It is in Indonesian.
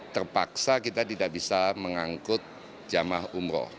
terpaksa kita tidak bisa mengangkut jemaah umroh